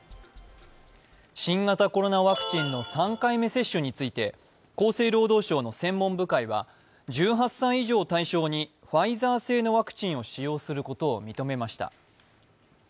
新型コロナワクチンの３回目接種について厚生労働省の専門部会は１８歳以上を対象にファイザー製のワクチンを使用することを認めました。